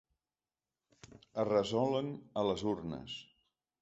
Es resolen a les urnes.